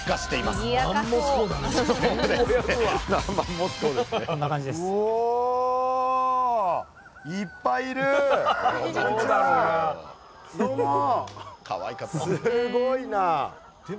すごいな！